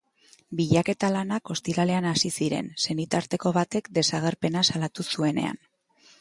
Bilaketa lanak ostiralean hasi ziren, senitarteko batek desagerpena salatu zuenean.